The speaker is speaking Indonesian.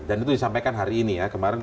dan itu disampaikan hari ini ya